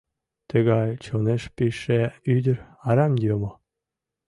Тыгай чонеш пижше ӱдыр арам йомо.